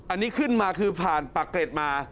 อันนี้ขึ้นมาคือผ่านปากเกร็ดมา